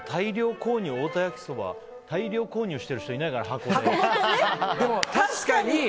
太田やきそばを大量購入してる人いないかな確かに！